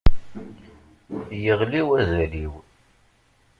Yeɣli wazal-iw.